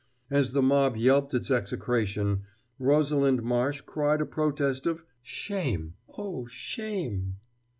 As the mob yelped its execration, Rosalind Marsh cried a protest of "Shame, oh, shame!"